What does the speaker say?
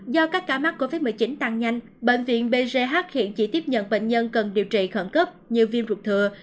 do các cá mắt covid một mươi chín tăng nhanh bệnh viện phj hiện chỉ tiếp nhận bệnh nhân cần điều trị khẩn cấp như viêm rụt thừa